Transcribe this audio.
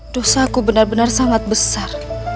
dosaku benar benar sangat besar